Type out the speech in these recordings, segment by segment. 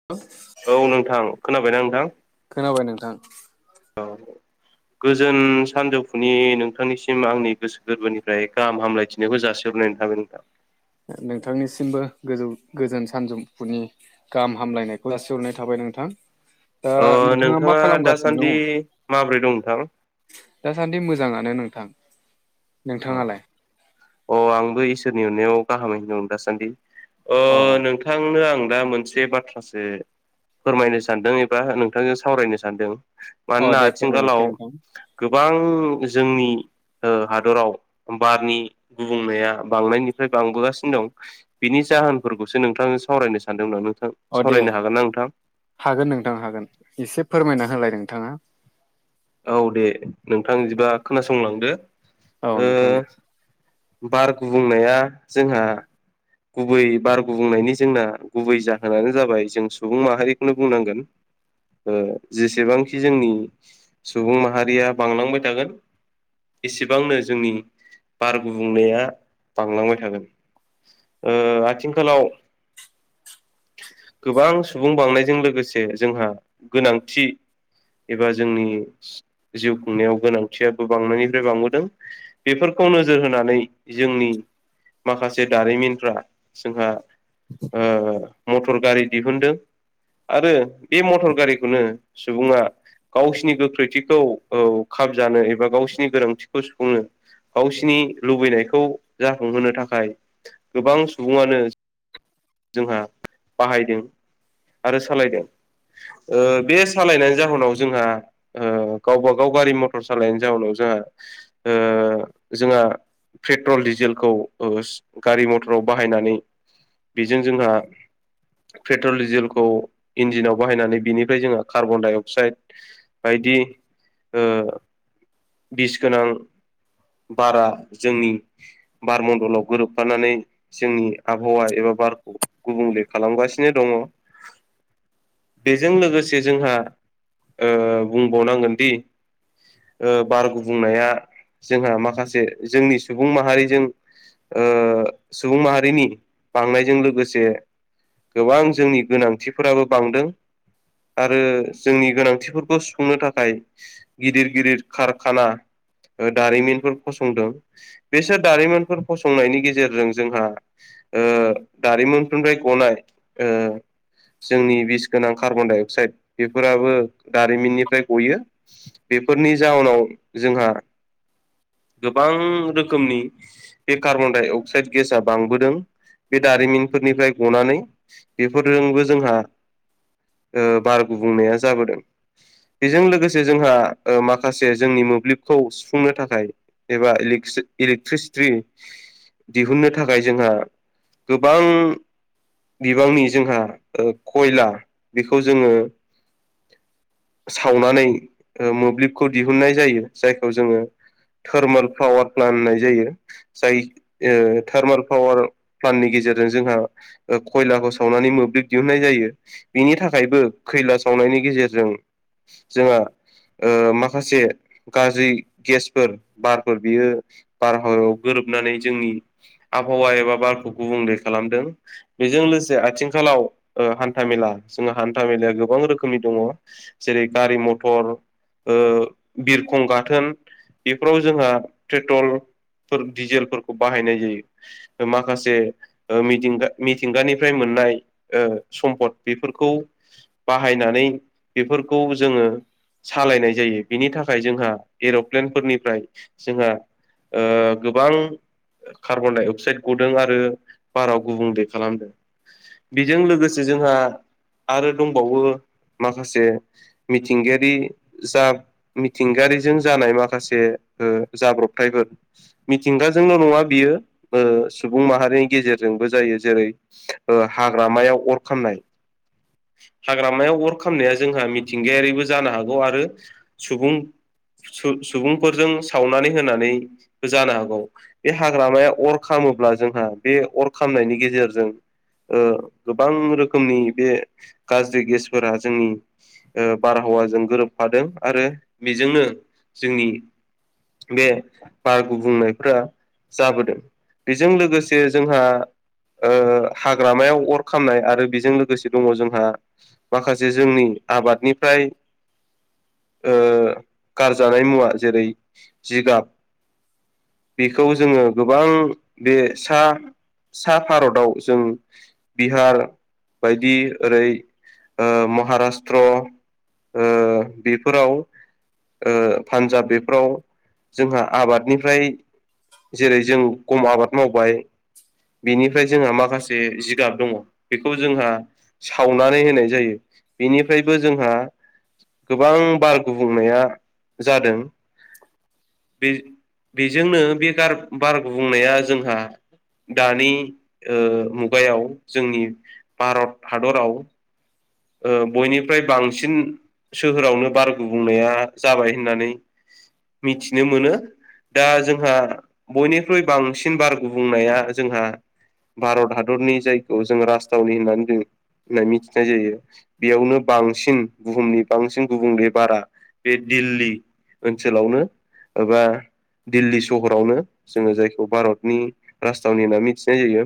[inaudible] औ नोंथां खोनाबायना नोंथां? खोनाबाय नोंथां। औ गोजोन सानजौफुनि नोंथांनिसिम आंनि गोसो गोरबोनिफ्राय गाहाम हामलायथि बेखौ जासिहरनाय थाबाय नोंथां। नोंथांनिसिमबो गोजौ गोजोन सानजौफुनि गाहाम हामलायनायखौ जासिहरनाय थाबाय नोंथां। ओ नोंथाङा मा खालामगासिनो दङ माबोरै दं नोंथां दासान्दि मोजाङानो नोंथां अ नोंथाङालाय अ आंबो इसोरनि अननायाव गाहामै दङ दासान्दि ओ अ अ नोंथांनो आं दा मोनसे बाथ्रासो फोरमायनो सानदों एबा नोंथांजों सावरायनो सानदों अ मानोना दे फोरमायनोसै आथिखालाव नोंथां गोबां जोंनि हादराव बारनि गुबुंनाया बांनायनिफ्राय बांबोगासिनो दं बिनि जाहोनफोरखौसो नोंथांजों सावरायनो सानदों नोंथां अ दे सावरायनो हागोन ना नोंथां हागोन नोंथां हागोन एसे फोरमायना होलाय नोंथाङा औ दे नोंथां इदिबा खोनासंलांदो औ ओ नोंथां दे बार गुबुंनाया जोंहा गुबै बार गुबुंनायनि जोंना गुबै जाहोनानो जाबाय जों सुबुं माहारिखौनो बुंनांगोन जेसेबांखि जोंनि सुबुं माहारिया बांलांबाय थागोन इसेबांनो जोंनि बार गुबुंनाया बांलांबाय थागोन आथिखालाव गोबां सुबुं बांनायजों लोगोसे जोंहा गोनांथि एबा जोंनि जिउ खुंनायाव गोनांथियाबो बांनायनिफ्राय बांबोदों बेफोरखौनो नोजोर होनानै जोंनि माखासे दारिमिनफ्रा जोंहा मटर गारि दिहुनदों आरो बे मटर गारिखौनो सुबुङा गावसिनि गोख्रैथिखौ औ खाब जानो एबा गावसिनि गोनांथिखौ सुफुंनो गावसि नि लुबैनायखौ जाफुंहोनो थाखाय गोबां सुबुङानो जोंहा बाहायदों आरो सालायदों बे सालायनायनि जाहोनाव जोंहा गावबा गाव गारि मथर सालायनायनि जाउनाव जोंहा जोंहा पेट्रल डिजेलखौ गारि मटराव बाहायनानै बेजों जोंहा पेट्रल डिजेलखौ इन्जिनाव बाहायनानै बिनिफ्राय जोंहा कार्बन डाइ अक्साइड बायदि बिस गोनां बारा जोंनि बार मण्डलाव गोरोबफानानै जोंनि आबहावा एबा बारखौ गुबुंले खालामगासिनो दङ बेजों लोगोसे जोंहा बुंबावनांगोन दि बार गुबुंनाया जोंहा माखासे जोंनि सुबुं माहारिजों सुबुं माहारिनि बांनायजों लोगोसे गोबां जोंनि गोनांथिफोराबो बांदों आरो जोंनि गोनांथिफोरखौ सुफुंनो थाखाय गिदिर गिदिर कारखाना दारिमिनफोर फसंदों बेसोर दारिमिनफोर फसंनायनि गेजेरजों जोंहा दारिमिनफोरनिफ्राय गनाय जोंनि बिस गोनां कार्बन डाइ अक्साइड बेफोराबो दारिमिननिफ्राय गयो बेफोरनि जाउनाव जोंहा गोबां रोखोमनि बे कार्बन डाइ अक्साइद गेसा बांबोदों बे दारिमिनफोरनिफ्राय गनानै बेफोरजोंबो जोंहा बार गुबुंनाया जाबोदों बेजों लोगोसे जोंहा माखासे जोंनि मोब्लिबखौ सुफुंनो थाखाय एबा इलेक्ट्रिसिटि दिहुननो थाखाय जोंहा गोबां बिबांनि जोंहा खयला बेखौ जोङो सावनानै मोब्लिबखौ दिहुननाय जायो जायखौ जोङो थोर्मेल पावार प्लान्ट होननाय जायो जाय थार्मेल पावार प्लाननि गेजेरजों जोंहा खयलाखौ सावनानै मोब्लिब दिहुननाय जायो बिनि थाखायबो खैला सावनायनि गेजेरजों जोंहा माखासे गाज्रि गेसफोर बारफोर बियो बारहावायाव गोरोबनानै जोंनि आबहावा एबा बारखौ गुबुंले खालामदों बेजों लोगोसे आथिंखालाव हान्था मेला जोंहा हान्था मेलाया गोबां रोखोमनि दङ जेरै गारि मथर बिरखं गाथोन फोराव जोंहा पेट्रल डिजेलफोरखौ बाहायनाय जायो माखासे मिथिंगा मिथिंगानिफ्राय मोननाय सम्पद बेफोरखौ बाहायनानै बेफोरखौ जोङो सालायनाय जायो बिनि थाखाय जोंहा एर'प्लेनफोरनि फ्राय जोंहा गोबां कार्बन डाइ अक्साइद गदों आरो बाराव गुबुंले खालामदों बेजों लोगोसे जोंहा आरो दंबावो माखासे मिथिंगायारि जा मिथिंगायारिजों जानाय माखासे ओ जाब्रबथायफोर मिथिंगाजोंल' नङा बियो सुबुं माहारिनि गेजेरजोंबो जायो जेरै हाग्रामायाव अर खामनाय हाग्रामायाव अर खामनाया जोंहा मिथिंगायारिबो जानो हागौ आरो सुबुं सुबुंफोरजों सावनानै होनानै जानो हागौ बे हाग्रामाया अर खामोब्ला जोंहा बे अर खामनायनि गेजेरजों गोबां रोखोमनि बे गाज्रि गेसफोरा जोंनि बारहावाजों गोरोबफादों आरो बेजोंनो जोंनि बे बार गुबुंनायफोरा जाबोदों बेजों लोगोसे जोंहा हाग्रामायाव अर खामनाय आरो बेजों लोगोसे दङ जोंहा माखासे जोंनि आबादनिफ्राय गारजानाय मुवा जेरै जिगाब बेखौ जोङो गोबां बे सा सा भारताव जों बिहार बायदि ओरै महाराष्ट्र बेफोराव पान्जाब बे फ्राव जोंहा आबादनिफ्राय जेरै जों गम आबाद मावबाय बेनिफ्राय जोंहा माखासे जिगाब दङ बेखौ जोंहा सावनानै होनाय जायो बेनिफ्रायबो जोंहा गोबां बार गुबुंनाया जादों बे बेजोंनो बे गार बार गुबुंनाया जोंहा दानि मुगायाव जोंनि भारत हादराव बयनिफ्राय बांसिन सोहोरावनो बार गुबुंनाया जाबाय होननानै मिथिनो मोनो दा जोंहा बयनिख्रुइ बांसिन बार गुबुंनाया जोंहा भारत हादरनि जायखौ जों राजथावनि होननानै जों होनाय मिथिनाय जायो बेयावनो बांसिन बुहुमनि बांसिन गुबुंले बारा बे दिल्ली ओनसोलावनो एबा दिल्ली सहरावनो जोङो जायखौ भारतनि राजथावनि होनना मिथिनाय जायो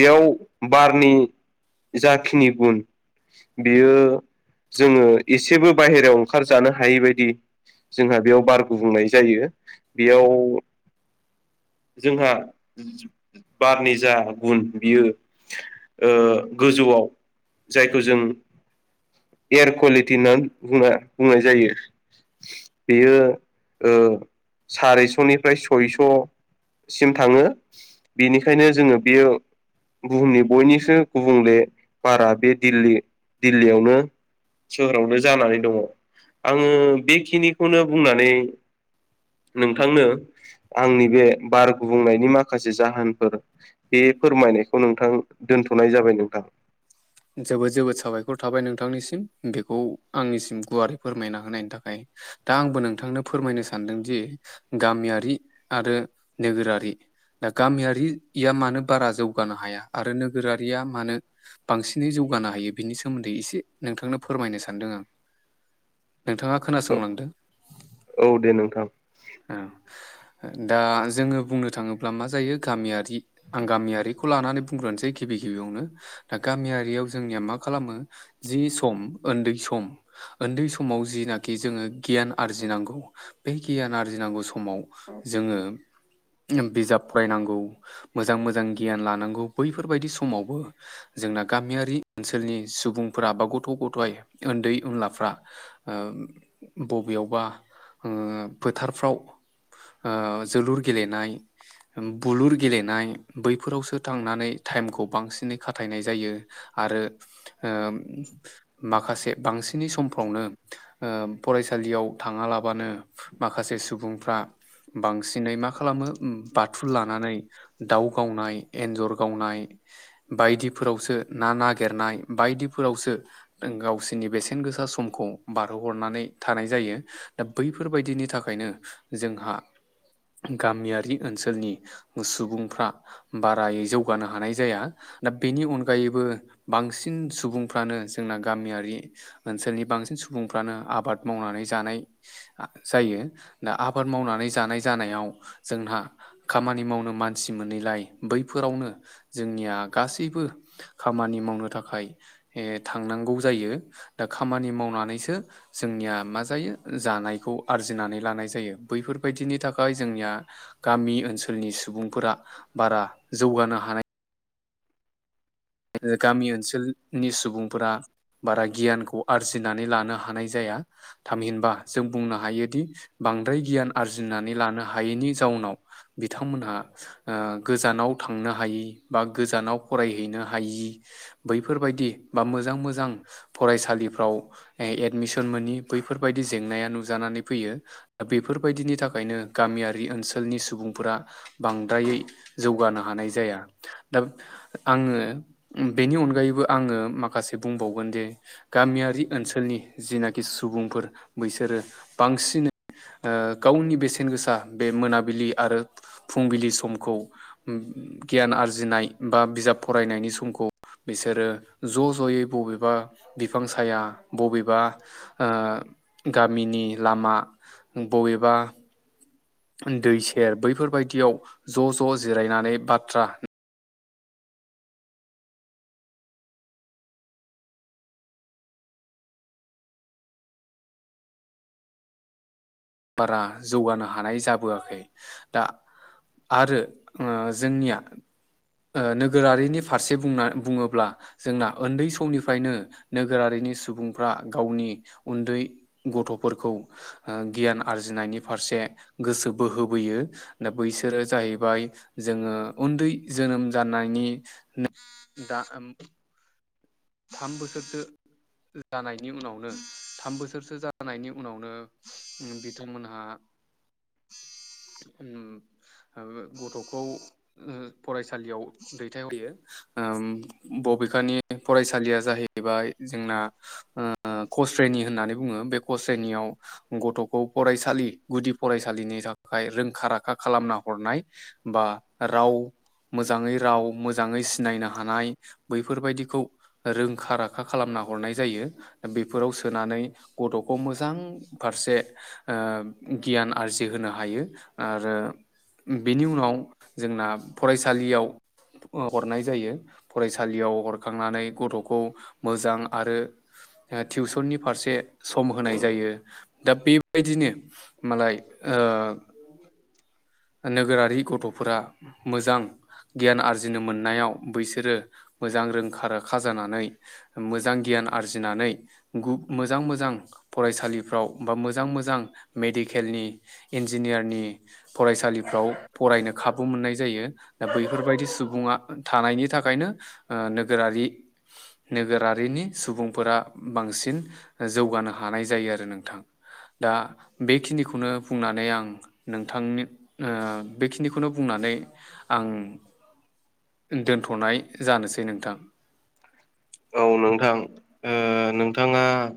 बेयाव बारनि जाखिनि गुन बियो जोङो एसेबो बाहेरायाव ओंखारजानो हायैबायदि जोंहा बेयाव बार गुबुंनाय जायो बेयाव जोंहा बारनि जा गुन बियो गोजौआव जायखौ जों एयार कुवालिटि होननानै बुंना बुंनाय जायो बेयो सारिस'निफ्राय सयस' सिम थाङो बेनिखायनो जोङो बियो बुहुमनि बयनिख्रुइ गुबुंले बारा बे दिल्ली दिल्लीयावनो सोहोरावनो जानानै दङ आङो बेखिनिखौनो बुंनानै नोंथांनो आंनि बे बार गुबुंनायनि माखासे जाहोनफोर बे फोरमायनायखौ नोंथां दोनथ'नाय जाबाय नोंथां जोबोद जोबोद साबायखर थाबाय नोंथांनिसिम बेखौ आंनिसिम गुवारै फोरमायना होनायनि थाखाय दा आंबो नोंथांनो फोरमायनो सानदोंदि गामियारि आरो नोगोरारि दा गामियारिया मानो बारा जौगानो हाया आरो नोगोरारिया मानो बांसिनै जौगानो हायो बिनि सोमोन्दै एसे नोंथांनो फोरमायनो सानदों आं नोंथाङा खोनासंलांदो औ दे नोंथां औ दा जोङो बुंनो थाङोब्ला मा जायो गामियारि आं गामियारिखौ लानानै बुंग्रोनोसै गिबि गिबियावनो दा गामियारियाव जोंनिया मा खालामो जि सम उन्दै सम उन्दै समाव जिनाखि जोङो गियान आरजिनांगौ बे गियान आरजिनांगौ समाव जोङो बिजाब फरायनांगौ मोजां मोजां गियान लानांगौ बैफोरबायदि समावबो जोंना गामियारि ओनसोलनि सुबुंफोरा बा गथ' गथाय उन्दै उनलाफ्रा ओ बबेयावबा फोथारफ्राव ओ जोलुर गेलेनाय बुलुर गेलेनाय बैफोरावसो थांनानै टाइमखौ बांसिनै खा थायनाय जायो आरो ओ माखासे बांसिनै समफ्रावनो फरायसालियाव थाङालाबानो माखासे सुबुंफ्रा बांसिनै मा खालामो बाथुल लानानै दाउ गावनाय एन्जर गावनाय बायदिफोरावसो ना नागिरनाय बायदिफोरावसो गावसोरनि बेसेन गोसा समखौ बारहोहरनानै थानाय जायो दा बैफोरबायदिनि थाखायनो जोंहा गामियारि ओनसोलनि सुबुंफ्रा बारायै जौगानो हानाय जाया दा बेनि अनगायैबो बांसिन सुबुंफ्रानो जोंना गामियारि ओनसोलनि बांसिन सुबुंफ्रानो आबाद मावनानै जानाय जायो दा आबाद मावनानै जानाय जानायाव जोंहा खामानि मावनो मानसि मोनैलाय बैफोरावनो जोंनिया गासैबो खामानि मावनो थाखाय थांनांगौ जायो दा खामानि मावनानैसो जोंनिया मा जायो जानायखौ आरजिनानै लानाय जायो बैफोरबायदिनि थाखाय जोंनिया गामि ओनसोलनि सुबुंफोरा बारा जौगानो हानाय गामि ओनसोलनि सुबुंफोरा बारा गियानखौ आरजिनानै लानो हानाय जाया थामहिनबा जों बुंनो हायोदि बांद्राय गियान आरजिनानै लानो हायैनि जाउनाव बिथांमोनहा गोजानाव थांनो हायि बा गोजानाव फरायहैनो ह हायि बैफोरबायदि बा मोजां मोजां फरायसालिफ्राव एडमिसन मोनि बैफोरबायदि जेंनाया नुजानानै फैयो दा बेफोरबायदिनि थाखायनो गामियारि ओनसोलनि सुबुंफोरा बांद्रायै जौगानो हानाय जाया दा आङो बेनि अनगायैबो आङो माखासे बुंबावगोन जे गामियारि ओनसोलनि जेनाखि सुबुंफोर बैसोरो बांसिनै ओ गावनि बेसेन गोसा बे मोनाबिलि आरो फुंबिलि समखौ गियान आरजिनाय बा बिजाब फरायनाय सम समखौ बिसोरो ज' ज'यै बबेबा बिफां साया बबेबा ओ गामिनि लामा बबेबा दै सेर बैफोरबायदियाव ज' ज' जिरायनानै बाथ्रा बारा जौगानो हानाय जाबोआखै दा आरो ओ जोंनिआ ओ नोगोरारिनि फारसे बुंना बुङोब्ला जोंना उन्दै समनिफ्रायनो नोगोरारिनि सुबुंफ्रा गावनि उन्दै गथ'फोरखौ ओ गियान आरजिनायनि फारसे गोसो बोहोबोयो दा बैसोरो जाहैबाय जोङो उन्दै जोनोम जानायनि दा ओम थाम बोसोरसो जानायनि उनावनो थाम बोसोरसो जानायनि उनावनो उम बिथांमोनहा उम उम गथ'खौ उम फरायसालिआव दैथायहरयो ओ बबेखानि फरायसालिआ जाहैबाय जोंना ओ कस्रेनि होननानै बुङो बे कस्रेनिआव गथ'खौ फरायसालि गुदि फरायसालिनि थाखाय रोंखा राखा खालामना हरनाय बा राव मोजांयै राव मोजांयै सिनायनो हानाय बैफोरबायदिखौ ओ रोंखा राखा खालामना हरनाय जायो बेफोराव सोनानै गथ'खौ मोजां फारसे ओ गियान आरजिहोनो हायो आरो बेनि उनाव जोंना फरायसालिआव ओ हरनाय जायो फरायसालिआव हरखांनानै गथ'खौ मोजां आरो ओ टिउसननि फारसे सम होनाय जायो दा बेबायदिनो मालाय ओ नोगोरारि गथ'फोरा मोजां गियान आरजिनो मोननायाव बैसोरो मोजां रोंखा राखा जानानै मोजां गियान आरजिनानै गु मोजां मोजां फरायसालिफ्राव बा मोजां मोजां मेडिकेलनि इन्जिनियारनि फरायसालिफ्राव फरायनो खाबु मोननाय जायो दा बैफोरबायदि सुबुंआ थानायनि थाखायनो ओ नोगोरारि नोगोरारिनि सुबुंफोरा बांसिन जौगानो हानाय जायो आरो नोंथां दा बेखिनिखौनो बुंनानै आं नोंथांनि ओ बेखिनिखौनो बुंनानै आं दोनथ'नाय जानोसै नोंथां औ नोंथां ओ नोंथांआ